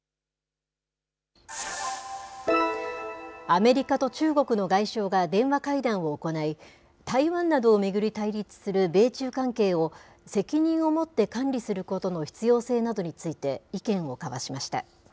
アメリカと中国の外相が電話会談を行い、台湾などを巡り対立する米中関係を、責任を持って管理することの必要性などについて意見を交わしました。